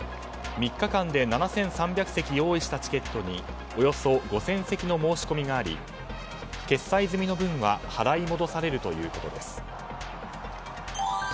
３日間で７３００席用意したチケットにおよそ５０００席の申し込みがあり決済済みの分は払い戻されるということです。